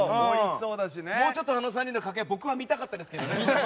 もうちょっとあの３人の掛け合い見たかったですけど。